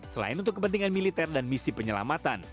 selain untuk kepentingan militer dan misi penyelamatan